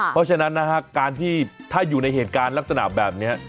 เพราะฉะนั้นนะฮะการที่ถ้าอยู่ในเหตุการณ์ลักษณะแบบนี้